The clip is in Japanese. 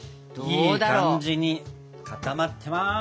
いい感じに固まってます。